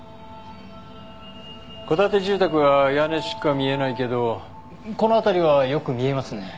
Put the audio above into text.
戸建て住宅は屋根しか見えないけどこの辺りはよく見えますね。